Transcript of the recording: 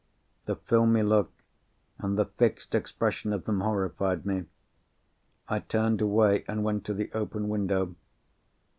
The filmy look and the fixed expression of them horrified me. I turned away, and went to the open window.